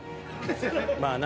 「まあな。